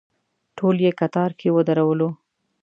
ټول یې کتار کې ودرولو.